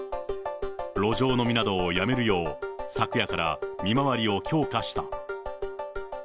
路上飲みなどをやめるよう、昨夜から見回りを強化した。